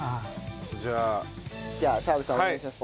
じゃあ。じゃあ澤部さんお願いします。